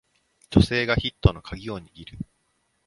女性がヒットのカギを握る